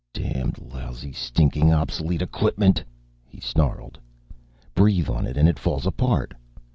"Damned, lousy, stinkin' obsolete equipment!" he snarled. "Breathe on it and it falls apart!